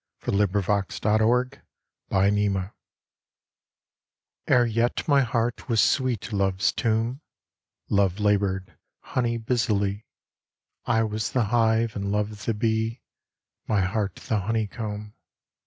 IX =Love, Pride and Forgetfulness= Ere yet my heart was sweet Love's tomb, Love laboured honey busily. I was the hive and Love the bee, My heart the honey comb.